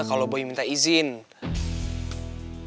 kalau boy minta yang lainnya